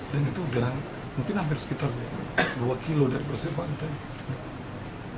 dan itu udara mungkin hampir sekitar dua kilo dari prasir pantai